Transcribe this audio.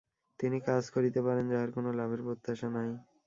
তিনিই কাজ করিতে পারেন, যাঁহার কোন লাভের প্রত্যাশা নাই।